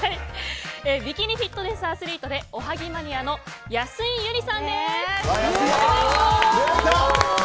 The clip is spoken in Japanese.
ビキニフィットネスアスリートでおはぎマニアの安井友梨さんです。